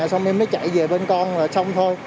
xong em mới chạy về bên con là xong thôi